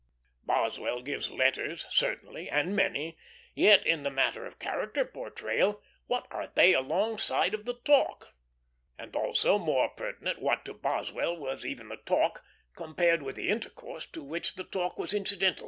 Boswell gives letters, certainly, and many; yet, in the matter of character portrayal, what are they alongside of the talk? And also, more pertinent, what to Boswell was even the talk, compared with the intercourse to which the talk was incident?